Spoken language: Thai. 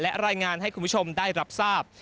และรายงานให้คุณผู้ชมได้รับทราบ